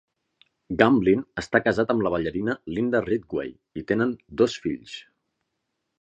Gamblin està casat amb la ballarina Linda Ridgway i tenen dos fills.